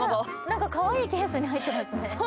かわいいケースに入ってますね。